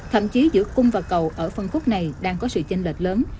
thậm chí giữa cung và cầu ở phân khúc này đang có sự chênh lệch lớn